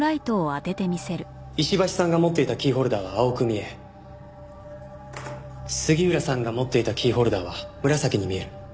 石橋さんが持っていたキーホルダーは青く見え杉浦さんが持っていたキーホルダーは紫に見える。